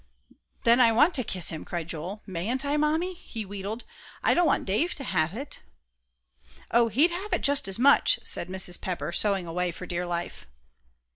"Then I want to kiss him," cried Joel. "Mayn't I, Mammy?" he wheedled. "I don't want Dave to have it." "Oh, he'd have it just as much," said Mrs. Pepper, sewing away for dear life.